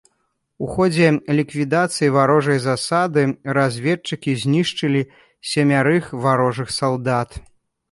У ходзе ліквідацыі варожай засады разведчыкі знішчылі семярых варожых салдат.